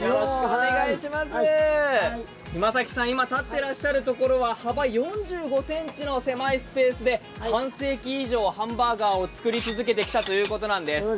今崎さん、今、立ってらっしゃるところは幅４５ｃｍの狭いスペースで半世紀以上、ハンバーガーを作り続けてきたということです。